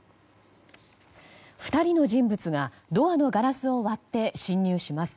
２人の人物が、ドアのガラスを割って侵入します。